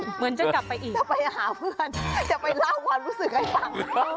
เหมือนจะกลับไปอีกไปหาเพื่อนจะไปเล่าความรู้สึกให้ฟัง